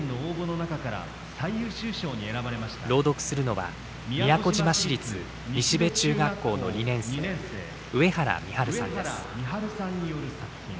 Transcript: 朗読するのは宮古島市立西辺中学校の２年生上原美春さんです。